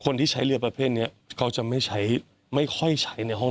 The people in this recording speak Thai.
คนที่ใช้เรือประเภทนี้เขาจะไม่ใช้ไม่ค่อยใช้ในห้อง